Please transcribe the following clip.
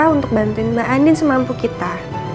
untuk bantuin mbak andin semampu kita